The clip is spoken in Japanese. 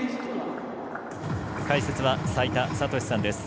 解説は齋田悟司さんです。